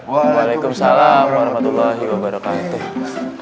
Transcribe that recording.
waalaikumsalam warahmatullahi wabarakatuh